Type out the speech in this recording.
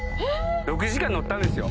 「６時間乗ったんですよ」